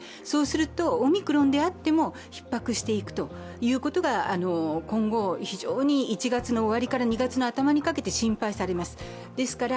そうするとオミクロンであってもひっ迫していくということが今後、非常に１月の終わりから２月の頭にかけて心配されます。